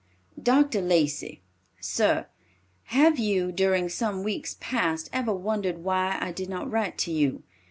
"DR. LACEY: "SIR—Have you, during some weeks past, ever wondered why I did not write to you?